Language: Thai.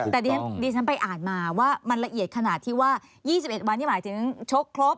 แต่ดิฉันไปอ่านมาว่ามันละเอียดขนาดที่ว่า๒๑วันนี้หมายถึงชกครบ